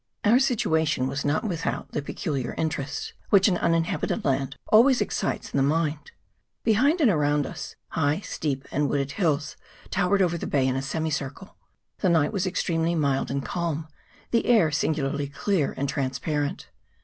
Our situation was not without the peculiar interest which an uninhabited land always excites in the mind. Behind and around us high steep and wooded hills towered over the bay in a semicircle. The night was extremely mild and calm ; the air singu larly clear and transparent.